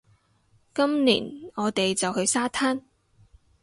今年，我哋就去沙灘